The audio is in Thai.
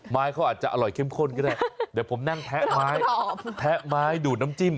ไม้เขาอาจจะอร่อยเข้มข้นก็ได้เดี๋ยวผมนั่งแพะไม้แพะไม้ดูดน้ำจิ้ม